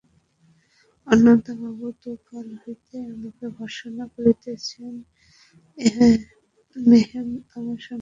অন্নদাবাবু তো কাল হইতে আমাকে ভর্ৎসনা করিতেছেন-হেমনলিনী আমার সঙ্গে কথা বন্ধ করিয়াছেন।